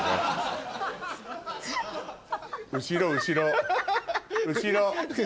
後ろ後ろ後ろ！